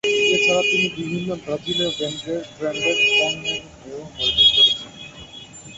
এছাড়া তিনি বিভিন্ন ব্রাজিলীয় ব্র্যান্ডের পণ্যের হয়েও মডেলিং করেছেন।